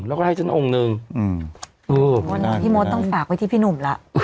แล้วก็ให้ชั้นองค์หนึ่งอืมสมมติพี่โมทต้องฝากไว้ที่พี่หนุ่มล่ะ